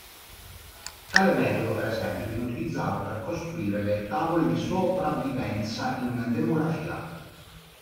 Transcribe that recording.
Tale metodo, per esempio, viene utilizzato per costruire le tavole di sopravvivenza in Demografia.